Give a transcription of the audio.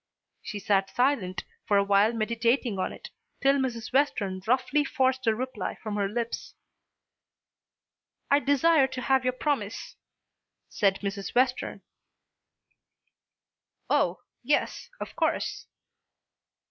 She sat silent for a while meditating on it, till Mrs. Western roughly forced a reply from her lips. "I desire to have your promise," said Mrs. Western. "Oh, yes, of course."